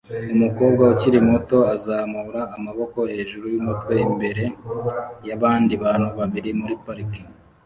Umukobwa ukiri muto azamura amaboko hejuru yumutwe imbere yabandi bantu babiri muri parike